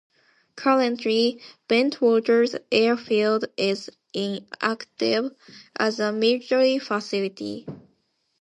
Currently, Bentwaters airfield is inactive as a military facility.